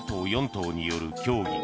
党による協議。